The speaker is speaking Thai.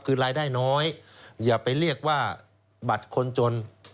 คือรายได้น้อยอย่าไปเรียกว่าบัตรคนจน